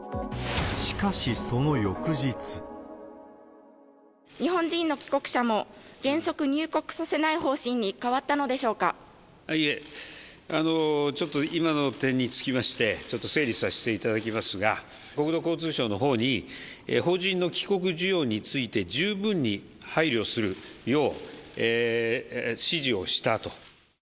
しかし、その翌日。日本人の帰国者も原則入国させない方針に変わったのでしょういえ、ちょっと今の点につきまして、ちょっと整理させていただきますが、国土交通省のほうに、邦人の帰国需要について十分に配慮するよう指示をしたと。